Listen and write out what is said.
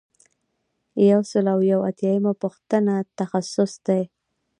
یو سل او یو اتیایمه پوښتنه تخصیص دی.